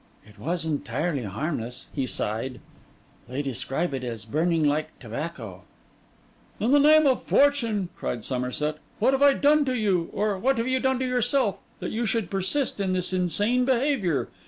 'It was entirely harmless,' he sighed. 'They describe it as burning like tobacco.' 'In the name of fortune,' cried Somerset, 'what have I done to you, or what have you done to yourself, that you should persist in this insane behaviour?